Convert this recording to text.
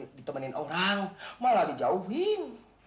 bukan di temanin orang malah dijauhin